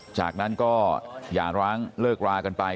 จากนั้นก็หย่าร้างเลิกรากันไป